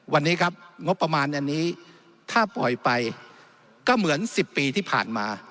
วันนี้ครับงบประมาณอันนี้ถ้าปล่อยไปก็เหมือน๑๐ปีที่ผ่านมา